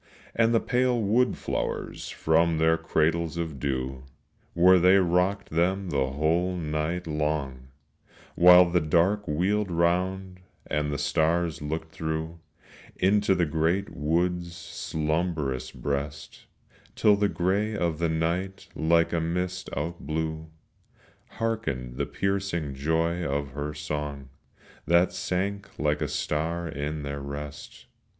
And the pale wood flowers from their cradles of dew Where they rocked them the whole night long, While the dark wheeled round and the stars looked through Into the great wood's slumbrous breast, Till the gray of the night like a mist outblew; Hearkened the piercing joy of her song That sank like a star in their rest.